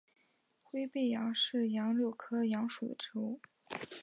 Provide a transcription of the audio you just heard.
灰背杨是杨柳科杨属的植物。